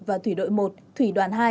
và thủy đội một thủy đoàn hai